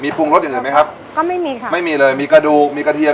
ปรุงรสอย่างอื่นไหมครับก็ไม่มีค่ะไม่มีเลยมีกระดูกมีกระเทียม